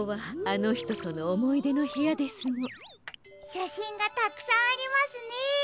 しゃしんがたくさんありますね！